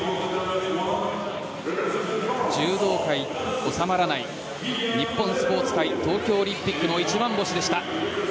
柔道界に収まらない日本スポーツ界東京オリンピックの一番星でした。